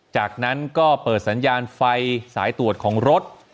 จากนั้นก็เปิดสัญญาณไฟสายตรวจของรถ